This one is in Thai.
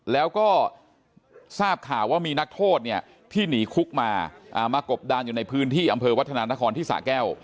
แล้วก็ทราบข่าวว่ามีนักโทษเนี่ยที่หนีคุกมามากบดานอยู่ในพื้นที่อำเภอวัฒนานครที่สะแก้ว